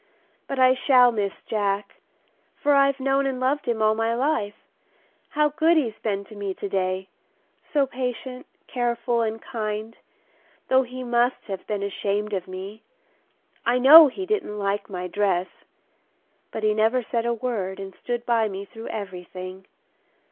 But I shall miss Jack, for I've known and loved him all my life. How good he's been to me to day! so patient, careful, and kind, though he must have been ashamed of me. I know he didn't like my dress; but he never said a word and stood by me through everything.